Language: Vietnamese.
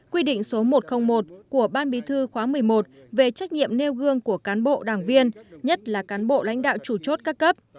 quy định số một trăm linh một của ban bí thư khóa một mươi một về trách nhiệm nêu gương của cán bộ đảng viên nhất là cán bộ lãnh đạo chủ chốt các cấp